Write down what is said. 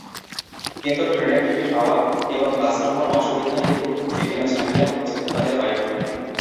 কিন্তু ট্রেনের টিকিট পাওয়া এবং বাসভ্রমণ অসুবিধা হেতু বিভিন্ন ঝামেলা পোহাতে হয়।